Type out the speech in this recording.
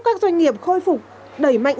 các doanh nghiệp khôi phục đẩy mạnh